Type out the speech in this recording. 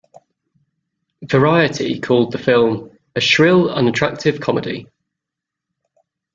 "Variety" called the film "a shrill, unattractive comedy.